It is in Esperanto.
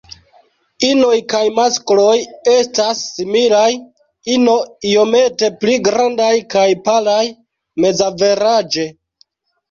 Inoj kaj maskloj estas similaj, ino iomete pli grandaj kaj palaj mezaveraĝe.